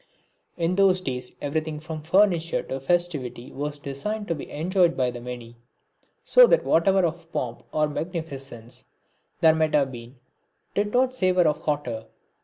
In those days everything from furniture to festivity was designed to be enjoyed by the many, so that whatever of pomp or magnificence there might have been did not savour of hauteur.